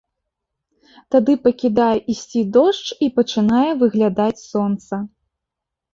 Тады пакідае ісці дождж, і пачынае выглядаць сонца.